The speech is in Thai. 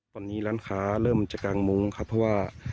ตอนนี้ร้านค้าเริ่มจะกางมุ้งครับเพราะว่า